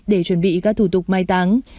để chuẩn bị các thủ tục mai táng